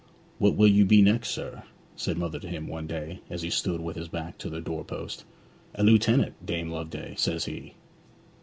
"What will you be next, sir?" said mother to him one day as he stood with his back to the doorpost. "A lieutenant, Dame Loveday," says he.